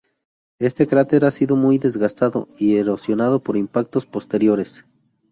Este cráter ha sido muy desgastado y erosionado por impactos posteriores.